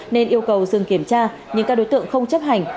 nên yêu cầu dừng kiểm tra nhưng các đối tượng không chấp hành